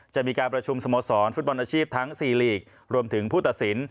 จะมีการประชุมสโมสรฟุตบอลอาชีพทั้ง๔ลีกรวมถึงผู้ตัดสิน